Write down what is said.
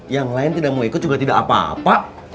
yang lain tidak mau ikut juga tidak apa apa